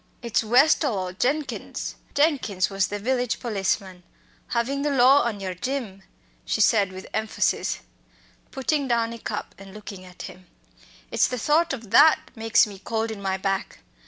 "It's Westall or Jenkins (Jenkins was the village policeman) havin' the law on yer, Jim," she said with emphasis, putting down a cup and looking at him it's the thought of that makes me cold in my back.